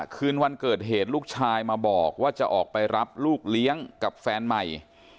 คืนวันเกิดเหตุลูกชายมาบอกว่าจะออกไปรับลูกเลี้ยงกับแฟนใหม่